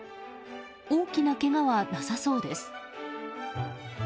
大きなけがはなさそうです。